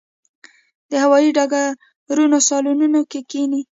د هوايي ډګرونو صالونونو کې کښېني.